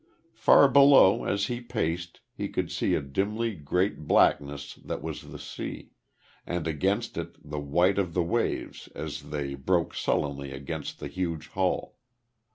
Far below, as he paced, he could see dimly a great blackness that was the sea, and against it the white of the waves as they broke sullenly against the huge hull....